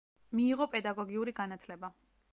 მიიღო პედაგოგიური განათლება.